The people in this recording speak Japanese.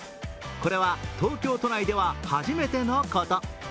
これは東京都内では初めてのこと。